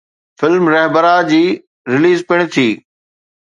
Film ”Rahbara“ جي release پڻ ٿي.